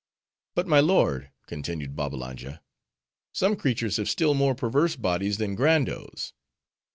"But, my lord," continued Babbalanja, "some creatures have still more perverse bodies than Grando's.